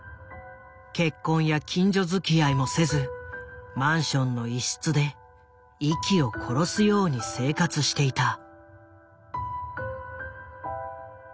結婚や近所づきあいもせずマンションの一室で息を殺すように生活していた。